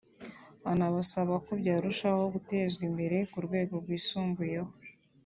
anabasaba ko byarushaho gutezwa imbere ku rwego rwisumbuyeho